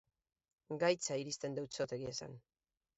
Gaitza irizten deutsot, egia esan.